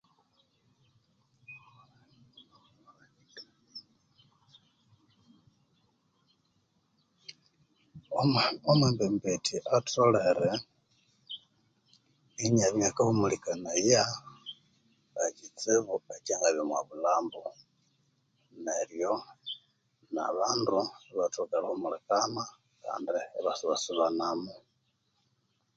Omwee omwembembetya atholere inyabya inyakahumulikanaya ekitsibu ekyangabya omwa bulhambo neryo nabandu ibathoka erihumulikana kandi nabandu iba suba subanamo